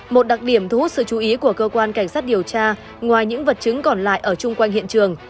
một đặc điểm thu hút sự chú ý của cơ quan cảnh sát điều tra ngoài những vật chứng còn lại ở chung quanh hiện trường